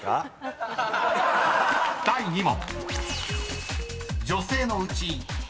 ［第２問］